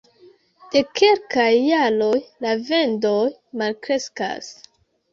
De kelkaj jaroj la vendoj malkreskas.